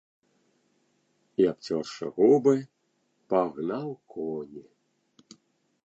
І, абцёршы губы, пагнаў коні.